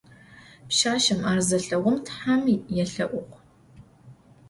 Пшъашъэм ар зелъэгъум тхьэм елъэӏугъ.